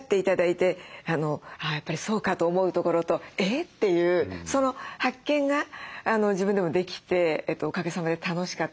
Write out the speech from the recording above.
やっぱりそうかと思うところとえっていうその発見が自分でもできておかげさまで楽しかったこと。